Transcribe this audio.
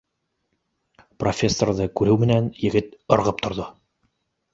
Профессорҙы күреү менән, егет ырғып торҙо: